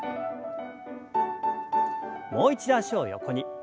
もう一度脚を横に。